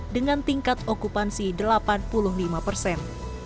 dengan tingkat okupansi delapan puluh lima persen